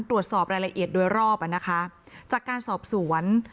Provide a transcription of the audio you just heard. ตรวจสอบรายละเอียดโดยรอบอ่ะนะคะจากการสอบสวน